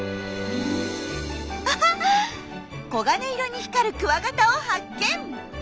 あっ黄金色に光るクワガタを発見！